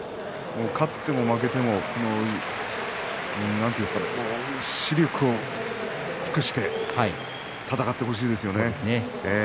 勝っても負けても死力を尽くして戦ってほしいですよね。